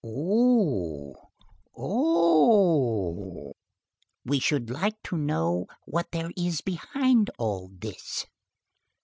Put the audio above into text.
"Oh! oh!" "We should like to know what there is behind all this."